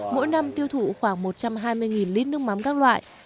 mỗi năm tiêu thụ khoảng một trăm hai mươi lít nước mắm các loại